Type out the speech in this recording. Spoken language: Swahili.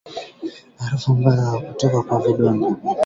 Harufu mbaya kutoka kwa vidonda